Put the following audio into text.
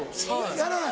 やらない？